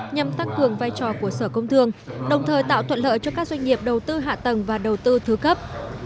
nhằm tăng cường vai trò của sở công thương đồng thời tạo thuận lợi cho các doanh nghiệp đầu tư hạ tầng và đầu tư thứ cấp